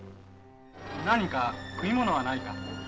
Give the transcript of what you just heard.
何か食い物はないか。